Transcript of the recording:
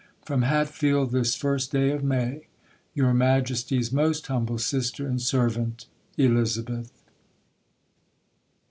From Hatfilde this 1 day of May. "Your Maiesties most humbly Sistar "and Seruante "ELIZABETH."